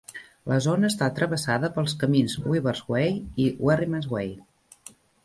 La zona està travessada pels camins Weavers' Way i Wherryman's Way.